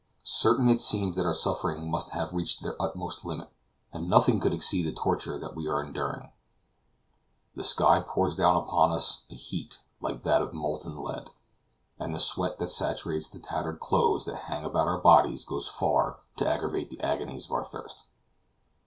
Certain it seems that our sufferings must have reached their utmost limit, and nothing could exceed the torture that we are enduring. The sky pours down upon us a heat like that of molten lead, and the sweat that saturates the tattered clothes that hang about our bodies goes far to aggravate the agonies of our thirst.